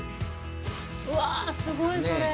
◆わっ、すごいそれ。